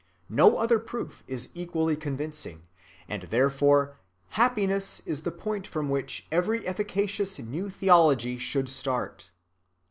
No other proof is equally convincing, and therefore happiness is the point from which every efficacious new theology should start."